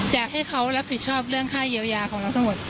อยากให้เขารับผิดชอบเรื่องค่าเยียวยาของเราทั้งหมด